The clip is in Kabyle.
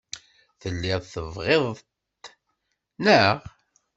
Telliḍ tebɣiḍ-t, naɣ?